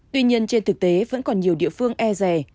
tuy nhiên trên thực tế vẫn còn nhiều địa phương e rè